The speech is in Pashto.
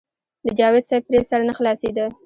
د جاوېد صېب پرې سر نۀ خلاصېدۀ -